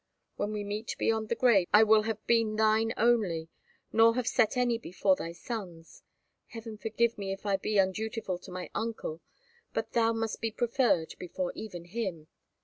When we meet beyond the grave I will have been thine only, nor have set any before thy sons. Heaven forgive me if I be undutiful to my uncle; but thou must be preferred before even him!